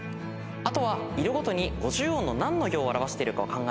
あとは色ごとに５０音の何の行を表してるかを考えれば簡単です。